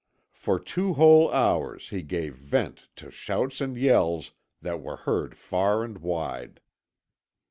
For two whole hours he gave vent to shouts and yells that were heard far and wide.